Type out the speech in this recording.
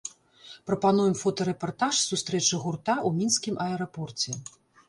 Прапануем фотарэпартаж сустрэчы гурта ў мінскім аэрапорце.